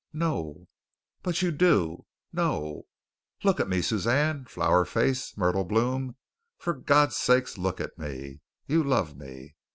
"No." "But you do." "No." "Look at me, Suzanne. Flower face. Myrtle Bloom. For God's sake, look at me! You love me."